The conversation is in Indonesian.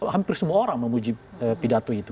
hampir semua orang memuji pidato itu